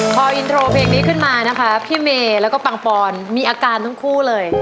พออินโทรเพลงนี้ขึ้นมานะคะพี่เมย์แล้วก็ปังปอนมีอาการทั้งคู่เลย